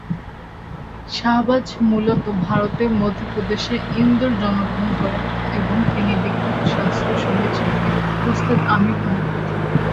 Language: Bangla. শাহবাজ মূলত ভারতের মধ্যপ্রদেশের ইন্দোর জন্মগ্রহণ করেন এবং তিনি বিখ্যাত শাস্ত্রীয় সঙ্গীতশিল্পী উস্তাদ আমীর খানের পুত্র।